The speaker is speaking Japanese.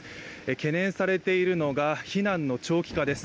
懸念されているのが避難の長期化です。